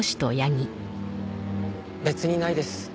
別にないです。